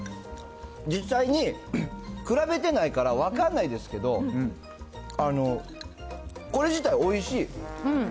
実際に比べてないから、分かんないですけど、これ自体おいしい。